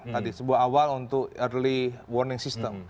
tadi sebuah awal untuk early warning system